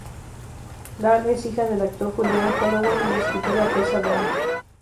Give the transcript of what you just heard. Dahl es hija del actor Julian Holloway y de la escritora Tessa Dahl.